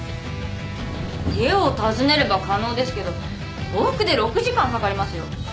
家を訪ねれば可能ですけど往復で６時間かかりますよ。